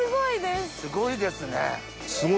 すごいですね。